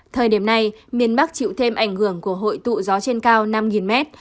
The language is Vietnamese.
thời điểm này miền bắc chịu thêm ảnh hưởng của hội tụ gió trên cao năm m